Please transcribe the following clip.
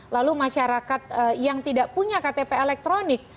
lalu masyarakat yang tidak punya ktp elektronik